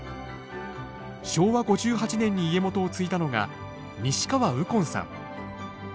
昭和５８年に家元を継いだのが西川右近さん。